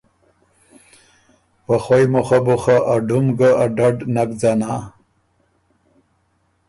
په خوَئ مُخه بو خه ا ډُم ا ډډ نک ځنا۔